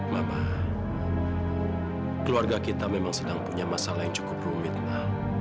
bapak keluarga kita memang sedang punya masalah yang cukup rumit pak